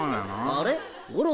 あれ？